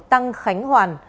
tăng khánh hoàn